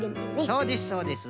そうですそうです。